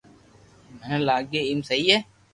مني لاگيي ايم سھي ھي